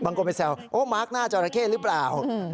บางคนไปแซวโอ้มาร์คหน้าจริงหรือเปล่า